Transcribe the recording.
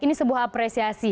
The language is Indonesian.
ini sebuah apresiasi